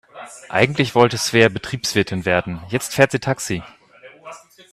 Eigentlich wollte Svea Betriebswirtin werden, jetzt fährt sie Taxi.